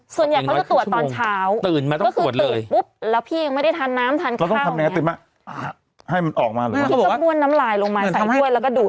ส่วนใหญ่เขาจะตรวจตอนเช้าก็คือติดปุ๊บแล้วพี่ยังไม่ได้ทานน้ำทานข้าวอย่างเนี่ยพี่ก็บ้วนน้ำลายลงมาใส่ถ้วยแล้วก็ดูด